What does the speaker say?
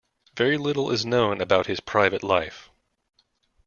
Very little is known about his private life.